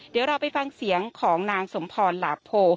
เดี๋ยวเราไปฟังเสียงของนางสมพรหลาโพ